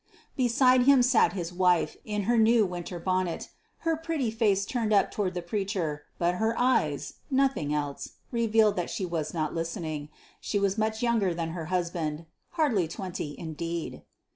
Beside him sat his wife, in her new winter bonnet, her pretty face turned up toward the preacher; but her eyes nothing else revealed that she was not listening. She was much younger than her husband hardly twenty, indeed.